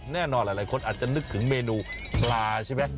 แน่นอนหลายคนอาจจะนึกถึงเมนูปลาใช่ไหม